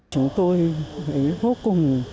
chúng tôi hữu cùng